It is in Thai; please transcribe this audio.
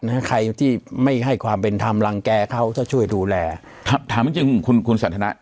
นะคะใครที่ไม่ให้ความเป็นทำแรงแก่เขาท่อช่วยดูแลถามจริงจริงคุณคุณศาษนทะ